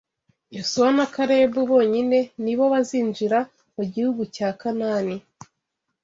Yosuwa na Kalebu bonyine ni bo bazinjira mu gihugu cya Kanani